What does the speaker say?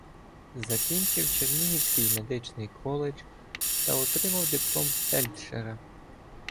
Закінчив чернігівський медичний коледж та отримав диплом фельдшера.